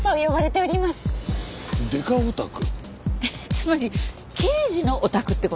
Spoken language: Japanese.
つまり刑事のオタクって事？